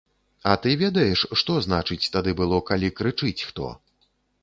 А ты ведаеш, што значыць тады было, калі крычыць хто!